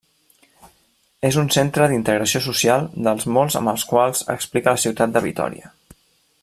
És un centre d'integració social dels molts amb els quals explica la ciutat de Vitòria.